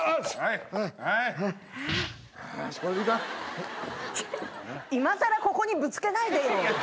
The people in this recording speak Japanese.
いまさらここにぶつけないでよ。